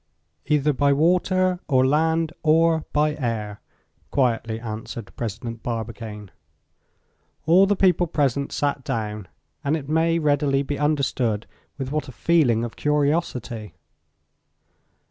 "Either by water, or land, or by air," quietly answered President Barbicane. All the people present sat down, and it may readily be understood with what a feeling of curiosity.